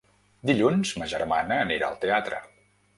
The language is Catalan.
Dilluns ma germana anirà al teatre.